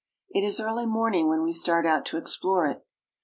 It is early morning when we start out to explore it.